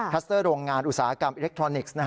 สเตอร์โรงงานอุตสาหกรรมอิเล็กทรอนิกส์